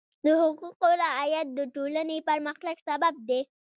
د حقوقو رعایت د ټولنې پرمختګ سبب دی.